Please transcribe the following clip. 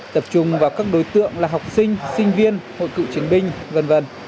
tập trung vào các đối tượng là học sinh sinh viên hội cựu chiến binh v v